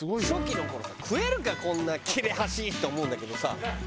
初期の頃さ食えるかこんな切れ端！って思うんだけどさ